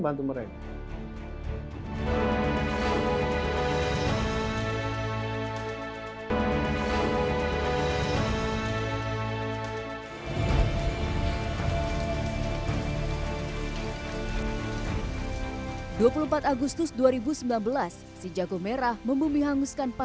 atau kepala pasar desa runjang sejak dua ribu sembilan belas hingga kini